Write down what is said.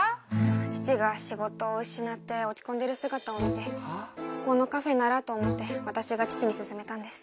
父が仕事を失って落ち込んでる姿を見てここのカフェならと思って私が父に勧めたんです。